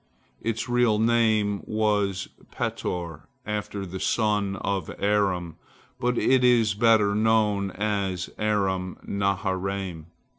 Its real name was Petor, after the son of Aram, but it is better known as Aram naharaim.